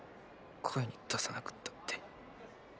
声に出さなくったって。